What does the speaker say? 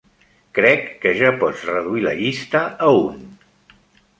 Crec que ja pots reduir la llista a un.